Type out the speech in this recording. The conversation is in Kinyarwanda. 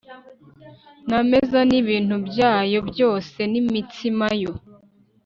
n ameza n ibintu byayo byose n imitsima yo